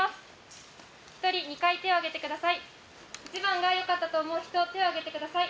真っすぐ手を挙げてください。